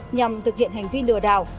nhằm thực hiện hành vi lừa đảo